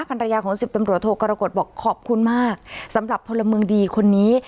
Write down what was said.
ภรรยาของสิบตำรวจโทกรกฎบอกขอบคุณมากสำหรับพลเมืองดีคนนี้